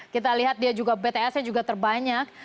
kita lihat dia juga bts nya juga terbanyak